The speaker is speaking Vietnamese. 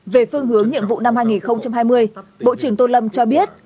về phương hướng nhiệm vụ năm hai nghìn hai mươi bộ trưởng tô lâm cho biết